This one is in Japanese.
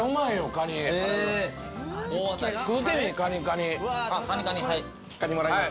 カニもらいます。